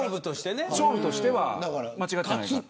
勝負としては間違っていない。